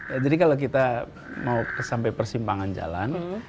jadi kalau kita mau sampai persimpangan jalan